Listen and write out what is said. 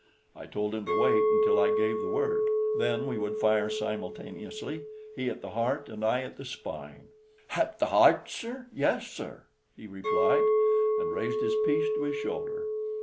I told him to wait until I gave the word; then we would fire simultaneously, he at the heart and I at the spine. "Hat the 'eart, sir yes, sir," he replied, and raised his piece to his shoulder.